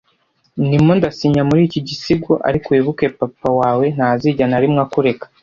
Ndimo ndasinya muri iki gisigo ariko wibuke Papa wawe ntazigera na rimwe akureka